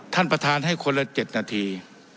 ท่านประธานให้คนละ๗นาที